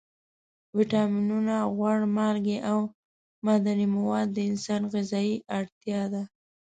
ویټامینونه، غوړ، مالګې او معدني مواد د انسان غذایي اړتیا ده.